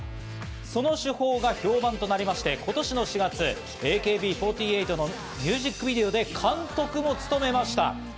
その手法が評判となりまして、今年の４月、ＡＫＢ４８のミュージックビデオで監督も務めました。